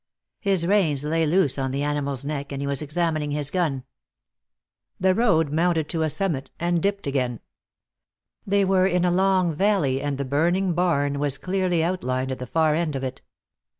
His reins lay loose on the animal's neck, and he was examining his gun. The road mounted to a summit, and dipped again. They were in a long valley, and the burning barn was clearly outlined at the far end of it.